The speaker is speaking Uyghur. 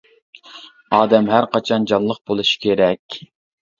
ئادەم ھەر قاچان جانلىق بولۇشى كېرەك.